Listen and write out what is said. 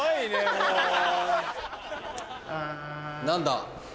何だ？